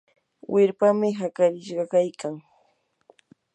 wirpami hakarishqa kaykan.